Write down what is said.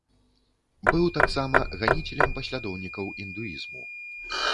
Быў таксама ганіцелем паслядоўнікаў індуізму.